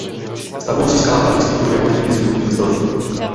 Svatbou získala Wallis titul vévodkyně z Windsoru.